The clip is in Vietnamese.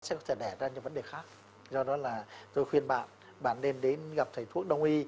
sẽ có thể đẻ ra những vấn đề khác do đó là tôi khuyên bạn bạn nên đến gặp thầy thuốc đông y